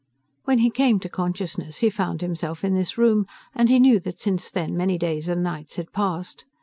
When he came to consciousness, he found himself in this room, and he knew that since then, many days and nights had passed.